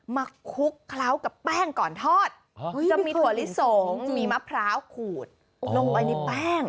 คลุกเคล้ากับแป้งก่อนทอดจะมีถั่วลิสงมีมะพร้าวขูดลงไปในแป้ง